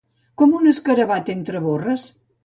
Com un escarabat entre borres.